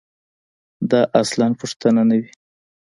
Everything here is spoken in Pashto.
دا اصلاً پوښتنه نه وي.